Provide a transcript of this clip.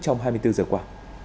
trong hai mươi bốn giờ qua